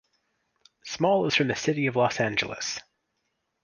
Small is from the city of Los Angeles.